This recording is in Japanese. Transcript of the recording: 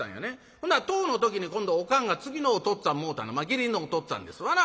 ほな１０の時に今度おかんが次のおとっつぁんもうたのまあ義理のおとっつぁんですわな。